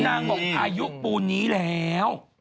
นั่งอายุปูนี้แล้ว